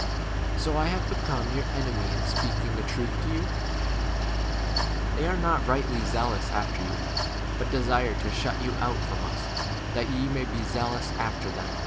So I have become your enemy in speaking the truth 17 to yon ? They are not rightly zealous after you, but desire to shut yon out [from us], that ye 18 may be zealous after them.